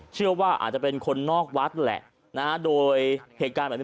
เชื่อว่าอาจจะเป็นคนนอกวัดแหละนะโดยเหตุการณ์แบบนี้